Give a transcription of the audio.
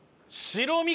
白身！？